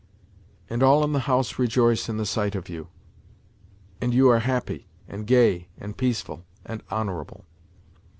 And all in the house rejoice in the sight of you, and you are happy and gay and peaceful and honourable.